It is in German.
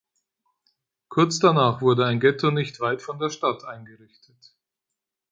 Kurz danach wurde ein Ghetto nicht weit von der Stadt eingerichtet.